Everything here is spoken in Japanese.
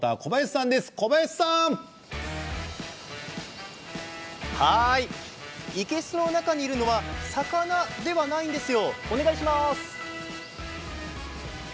壱岐から一気に生けすの中にいるのは魚ではないんですよ。